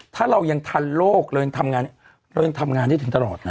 ถ้าเรายังทันโลกเรายังทำงานได้ถึงตลอดนะ